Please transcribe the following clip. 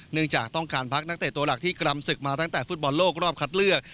จากต้องการพักนักเตะตัวหลักที่กรำศึกมาตั้งแต่ฟุตบอลโลกรอบคัดเลือก